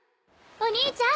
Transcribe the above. お兄ちゃん。